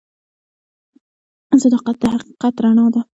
صداقت د حقیقت رڼا ده.